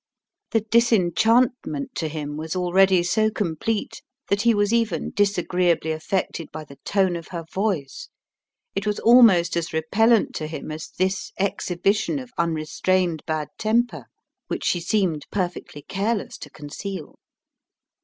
The disenchantment to him was already so complete that he was even disagreeably affected by the tone of her voice; it was almost as repellent to him as this exhibition of unrestrained bad temper which she seemed perfectly careless to conceal.